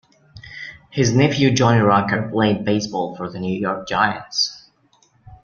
His nephew Johnny Rucker played baseball for the New York Giants.